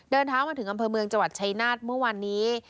เดินเท้ามาถึงอำเภอเมืองจังหวัดไชนาธิ์เมื่อวันนี้